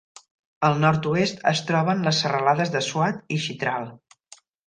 Al nord-oest es troben les serralades de Swat i Chitral.